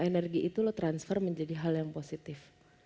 energi itu lo transfer menjadi hal yang positif